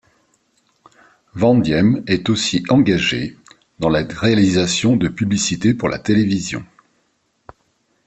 Van Diem est aussi engagé dans la réalisation de publicités pour la télévision.